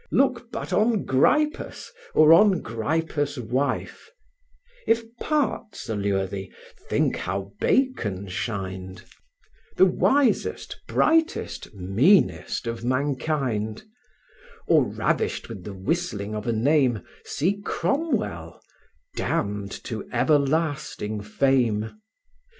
Look but on Gripus, or on Gripus' wife; If parts allure thee, think how Bacon shined, The wisest, brightest, meanest of mankind: Or ravished with the whistling of a name, See Cromwell; damned to everlasting fame!